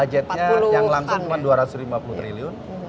budgetnya yang langsung cuma dua ratus lima puluh triliun